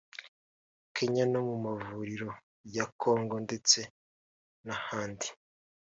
Kenya no mu mavuriro ya Congo ndetse n’ahandi